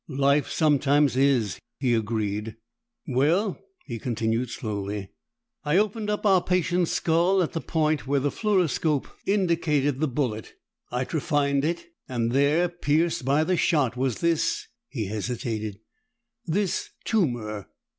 "Life sometimes is," he agreed. "Well," he continued slowly, "I opened up our patient's skull at the point where the fluoroscope indicated the bullet. I trephined it, and there, pierced by the shot, was this " He hesitated, " this tumor."